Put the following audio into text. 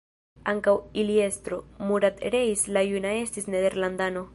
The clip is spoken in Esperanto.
Ankaŭ ili estro, Murat Reis la Juna estis nederlandano.